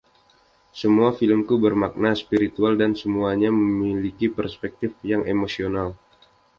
Semua filmku bermakna spiritual dan semuanya memiliki perspektif yang emosional.